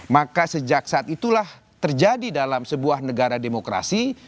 maka sejak saat itulah terjadi dalam sebuah negara demokrasi